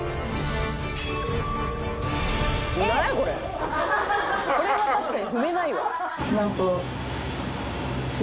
「これは確かに踏めないわ」